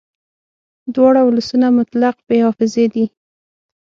دواړه ولسونه مطلق بې حافظې دي